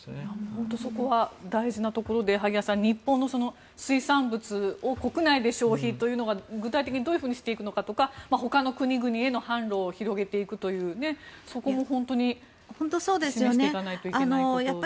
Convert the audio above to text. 本当そこは大事なところで萩谷さん、日本の水産物国内で消費というのが、具体的にどういうふうにしていくのかとかほかの国々への販路を広げていくというそこも示していかないといけないことですよね。